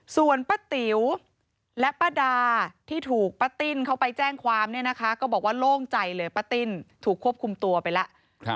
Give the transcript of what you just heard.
ส่วนป้าติ๋วและป้าดาที่ถูกป้าติ้นเขาไปแจ้งความเนี่ยนะคะก็บอกว่าโล่งใจเลยป้าติ้นถูกควบคุมตัวไปแล้ว